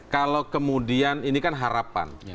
kalau kemudian ini kan harapan